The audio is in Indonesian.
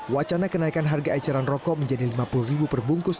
wacana kenaikan harga eceran rokok menjadi lima puluh ribu perbungkus